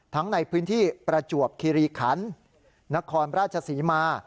ทั้งในพื้นที่ประจวบคิริขันนครราชศรีมา